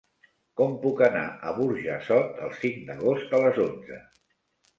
Com puc anar a Burjassot el cinc d'agost a les onze?